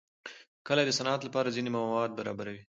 کلي د صنعت لپاره ځینې مواد برابروي.